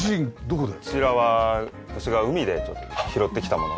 こちらは私が海でちょっと拾ってきたもの。